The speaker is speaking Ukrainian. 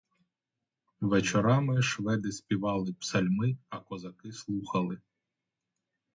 Вечорами шведи співали псальми, а козаки слухали.